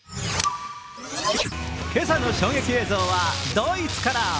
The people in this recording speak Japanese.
今朝の衝撃映像はドイツから。